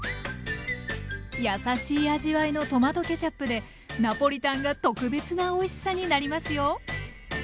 やさしい味わいのトマトケチャップでナポリタンが特別なおいしさになりますよ！